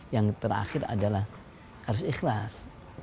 yang terakhir adalah harus ikhlas